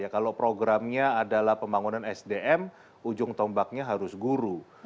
kalau programnya adalah pembangunan sdm ujung tombaknya harus guru